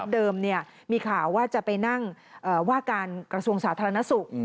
เดิมมีข่าวว่าจะไปนั่งว่าการกระทรวงสาธารณสุข